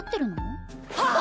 はあ！？